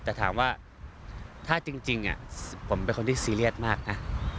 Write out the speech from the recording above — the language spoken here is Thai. แต่ถามว่าถ้าจริงผมเป็นคนที่ซีเรียสมากนะ